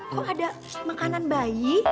kok ada makanan bayi